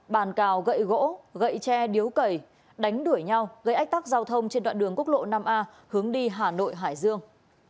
bàn cào gậy gỗ gậy tre điếu cầy đánh đuổi nhau gây ách tắc giao thông trên đoạn đường quốc lộ năm a hướng đi hà nội hải dương